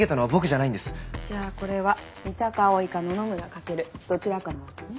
じゃあこれは三鷹蒼か野々村翔どちらかなわけね。